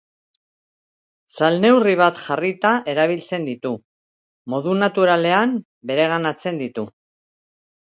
Salneurri bat jarrita erabiltzen ditu, modu naturalean bereganatzen ditu.